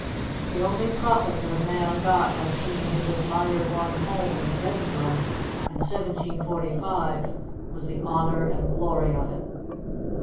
The only profit that a man got by seeing his admired one home in Edinburgh in 1745 was the honour and glory of it.